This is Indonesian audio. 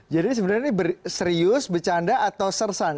jadi sebenarnya ini serius bercanda atau sersan